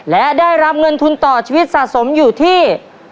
และได้รับเงินทุนต่อชีวิตสะสมอยู่ที่